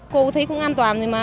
cô thấy cũng an toàn rồi mà